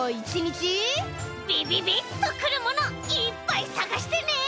ビビビッとくるものいっぱいさがしてね。